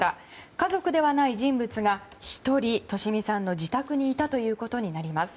家族ではない人物が１人利美さんの自宅にいたことになります。